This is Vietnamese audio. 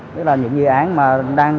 tức là những dự án mà đang